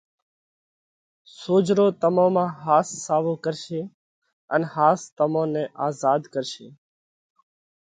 سوجھرو تمون مانه ۿاس ساوَو ڪرشي، ان ۿاس تمون نئہ آزاڌ ڪرشي۔